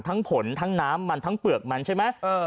ผลทั้งน้ำมันทั้งเปลือกมันใช่ไหม